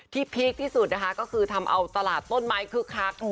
พีคที่สุดนะคะก็คือทำเอาตลาดต้นไม้คึกคัก